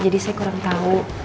jadi saya kurang tahu